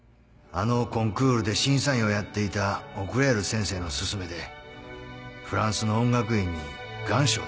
「あのコンクールで審査員をやっていたオクレール先生の勧めでフランスの音楽院に願書を出しておいた。